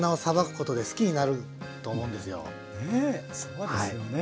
そうですよね。